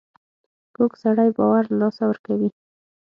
کوږ سړی باور له لاسه ورکوي